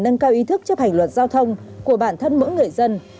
mỗi người dân